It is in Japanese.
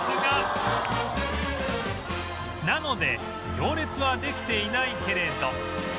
なので行列はできていないけれど